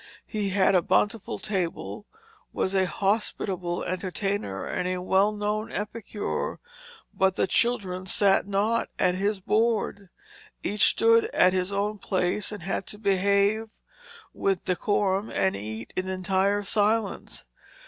He had a bountiful table, was a hospitable entertainer and well known epicure; but children sat not at his board. Each stood at his own place and had to behave with decorum and eat in entire silence.